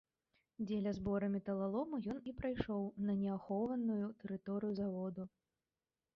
Дзеля збору металалому ён і прайшоў на неахоўваную тэрыторыю заводу.